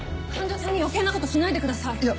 患者さんに余計なことしないでください。